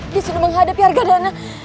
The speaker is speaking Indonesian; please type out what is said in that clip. disini menghadapi argadana